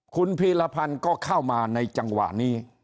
คุณพีรพันธ์ก็เข้ามาในจังหวะนี้